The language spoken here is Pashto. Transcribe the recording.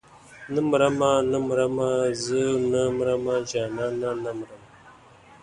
نه مرمه نه مرمه زه نه مرمه جانانه نه مرم.